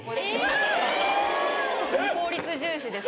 えぇ！効率重視です。